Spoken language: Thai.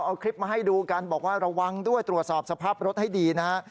เอาคลิปมาให้ดูกันบอกว่าระวังด้วยตรวจสอบสภาพรถให้ดีนะฮะ